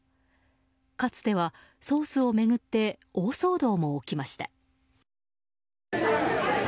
かつてはソースを巡って大騒動も起きました。